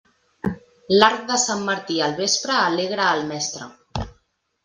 L'arc de Sant Martí al vespre alegra el mestre.